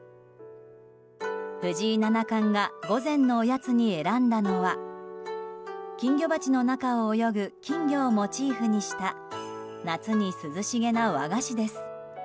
藤井七冠が午前のおやつに選んだのは金魚鉢の中を泳ぐ金魚をモチーフにした夏に涼しげな和菓子です。